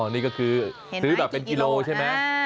นี่ก็คือซื้อแบบเป็นกิโลใช่ไหม